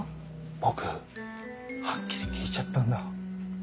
僕はっきり聞いちゃったんだ。